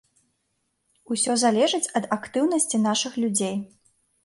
Усё залежыць ад актыўнасці нашых людзей.